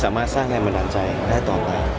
สร้างแรงบันดาลใจได้ต่อไป